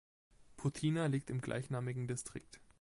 Putina liegt im gleichnamigen Distrikt.